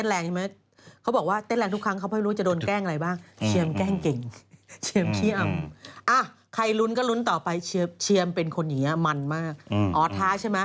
แล้วก็เลยถ่ายรูปไว้นี่นะฮะขนมซื้อในห้างค่ะนี่